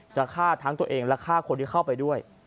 จะฆ่าทั้งตัวเองและฆ่าคนที่เข้าไปด้วย